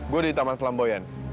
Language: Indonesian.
gue di taman flamboyan